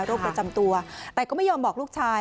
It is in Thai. ประจำตัวแต่ก็ไม่ยอมบอกลูกชาย